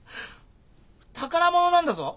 宝物なんだぞ？